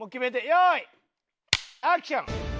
用意アクション！